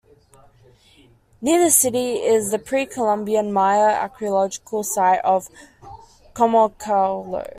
Near the city is the Pre-Columbian Maya archaeological site of Comalcalco.